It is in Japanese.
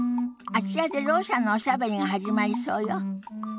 あちらでろう者のおしゃべりが始まりそうよ。